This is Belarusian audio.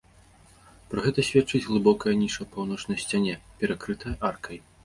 Пра гэта сведчыць глыбокая ніша ў паўночнай сцяне, перакрытая аркай.